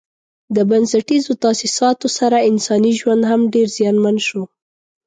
د بنسټیزو تاسیساتو سره انساني ژوند هم ډېر زیانمن شو.